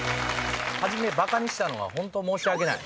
初めバカにしたのがホント申し訳ない。